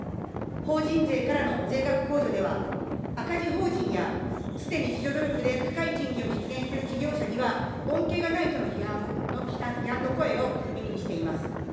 法人税からの税額控除では、赤字法人やすでに自助努力で高い賃金を実現している事業者には、恩恵がないとの批判の声を耳にしています。